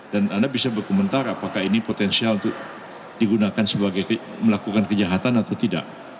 dan anda bisa berkomentar apakah ini potensial untuk digunakan sebagai melakukan kejahatan atau tidak